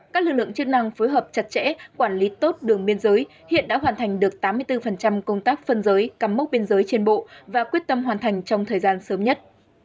các lực lượng chức năng phối hợp chặt chẽ quản lý tốt đường biên giới hiện đã hoàn thành được tám mươi bốn công tác phân giới cắm mốc biên giới trên bộ và quyết tâm hoàn thành trong thời gian sớm nhất